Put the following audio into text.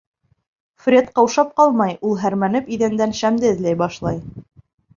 Фред ҡаушап ҡалмай, ул һәрмәнеп иҙәндән шәмде эҙләй башлай.